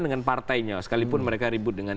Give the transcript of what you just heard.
dengan partainya sekalipun mereka ribut dengan